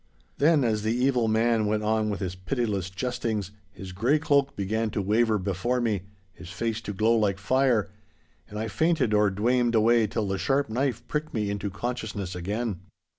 Then, as the evil man went on with his pitiless jestings, his grey cloak began to waver before me, his face to glow like fire, and I fainted or dwamed away till the sharp knife pricked me into consciousness again.